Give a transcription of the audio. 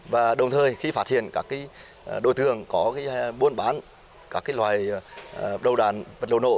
và đồng thời khi phát hiện các đối tượng có buôn bán các loài đầu đàn vật liệu nổ